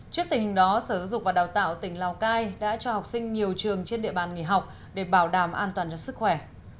trước tình hình đó sở giáo dục và đào tạo tỉnh lào cai đã cho học sinh nhiều trường trên địa bàn nghỉ học để bảo đảm an toàn cho sức khỏe